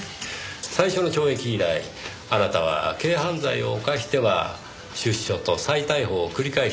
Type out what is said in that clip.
最初の懲役以来あなたは軽犯罪を犯しては出所と再逮捕を繰り返してきました。